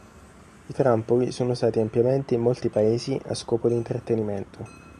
I trampoli sono usati ampiamente in molti paesi a scopo di intrattenimento.